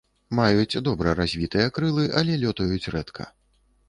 Маюць добра развітыя крылы, але лётаюць рэдка.